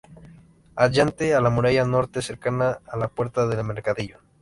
Adyacente a la muralla norte, cercana a la puerta del mercadillo.